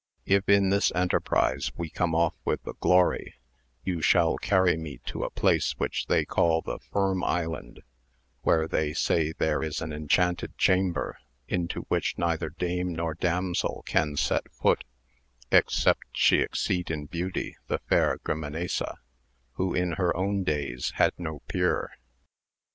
If in this enterprize we come off with the glory, you shall carry me to a place which they call the Firm Island, where they say there is an enchanted chamber, into which neither dame nor dam sel can set foot, except she exceed in beauty the fair Grimanesa, who in her own days had no peer.